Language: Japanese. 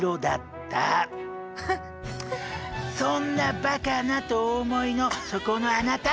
そんなバカな！とお思いのそこのあなた。